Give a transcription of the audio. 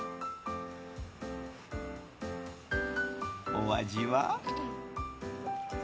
お味は？